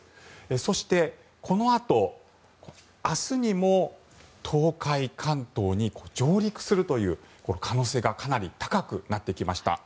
そして、このあと明日にも東海、関東に上陸するという可能性がかなり高くなってきました。